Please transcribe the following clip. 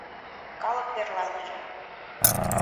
Калык верланыже.